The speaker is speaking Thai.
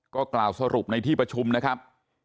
ก็กล่าวสรุปในที่ประชุมนะครับ